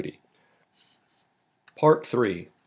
PART THREE.